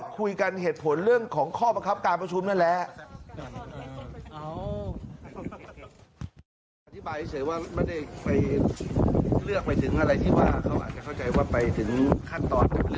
คุยกันเหตุผลเรื่องของข้อบังคับการประชุมนั่นแหละ